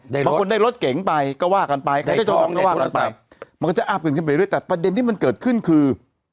บางคนได้รถเก๋งไปก็ว่ากันไปใครได้ทองก็ว่ากันไปมันก็จะอัพกันขึ้นไปเรื่อยแต่ประเด็นที่มันเกิดขึ้นคือ